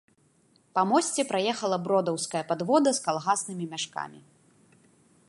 Па мосце праехала бродаўская падвода з калгаснымі мяшкамі.